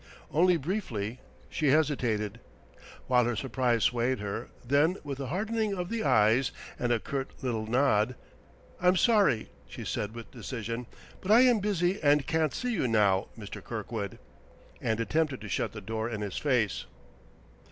Only briefly she hesitated, while her surprise swayed her; then with a hardening of the eyes and a curt little nod, "I'm sorry," she said with decision, "but I am busy and can't see you now, Mr. Kirkwood"; and attempted to shut the door in his face.